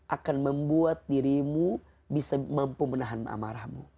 akan membuat dirimu bisa mampu menahan amarahmu